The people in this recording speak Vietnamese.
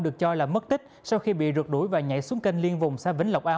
được cho là mất tích sau khi bị rượt đuổi và nhảy xuống kênh liên vùng xa vĩnh lộc a